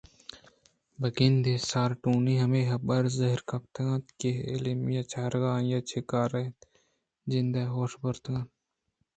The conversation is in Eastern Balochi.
بہ گندے سارٹونی ہمے حبر ءَ زہر گپتگ اَت کہ ایمیلیا ءِ چارگ ءَ آئی ءِ چےکار اِنتءُ جند ے ہوش ءَ بُرتگ اَت